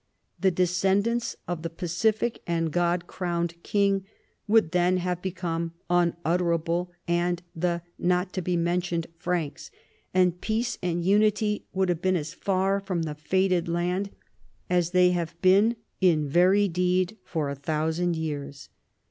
The descendants of the pacific and God crowned king would then have be come " unutterable " and the " not to be mentioned " Franks, and peace and unity would have been as far from the fated land as they have been in very deed for a thousand years.